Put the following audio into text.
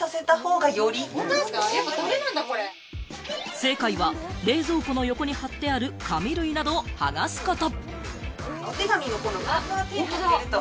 正解は冷蔵庫の横に張ってある紙類などをはがすこと。